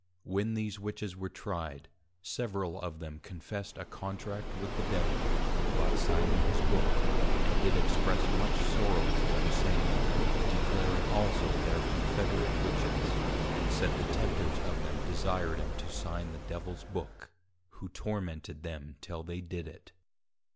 When these Witches were Tryed, several of them confessed a contract with the Devil, by signing his Book, and did express much sorrow for the same, declaring also thir Confederate Witches, and said the Tempters of them desired 'em to sign the Devils Book, who tormented them till they did it.